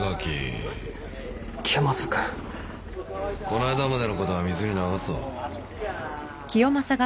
この間までのことは水に流そう。